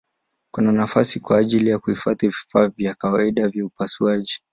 Kuna nafasi kwa ajili ya kuhifadhi vifaa vya kawaida vya upasuaji.